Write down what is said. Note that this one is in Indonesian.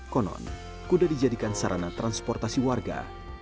konon kuda dijadikan sarana transportasi warga